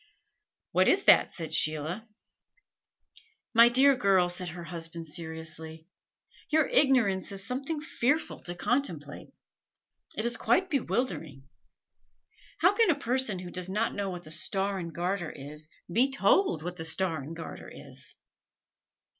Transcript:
"What is that?" said Sheila. "My dear girl," said her husband, seriously, "your ignorance is something fearful to contemplate. It is quite bewildering. How can a person who does not know what the Star and Garter is, be told what the Star and Garter is?"